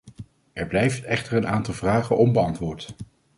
Er blijft echter een aantal vragen onbeantwoord.